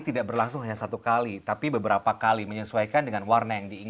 tidak berlangsung hanya satu kali tapi beberapa kali menyesuaikan dengan warna yang diinginkan